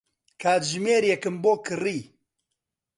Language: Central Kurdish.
کاتژمێرێکم بۆ کڕی.